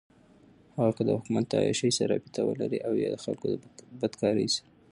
هغــه كه دحــكومت دعيــاشۍ سره رابطه ولري اويا دخلـــكو دبدكارۍ سره.